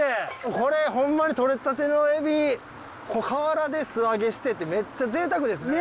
これホンマにとれたてのエビ河原で素揚げしてってめっちゃぜいたくですね！